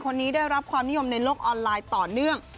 คนนี้ได้รับความนิยมในโลกออนไลน์ต่อเนื่อง